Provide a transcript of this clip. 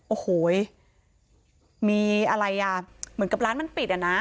โอ้โหมีอะไรอ่ะเหมือนกับร้านมันปิดอ่ะนะ